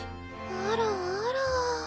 あらあら。